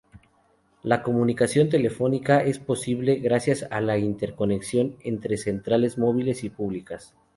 La comunicación telefónica es posible gracias a la interconexión entre centrales móviles y públicas.